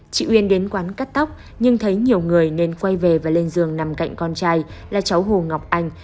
chị uyên đến quán cắt tóc nhưng thấy nhiều người nên quay về và lên giường nằm cạnh con trai là cháu hồ ngọc anh